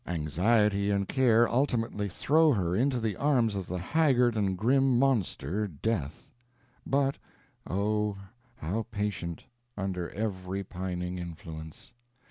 Anxiety and care ultimately throw her into the arms of the haggard and grim monster death. But, oh, how patient, under every pining influence!